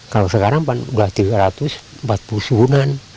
kalau sekarang dua ratus empat puluh subunan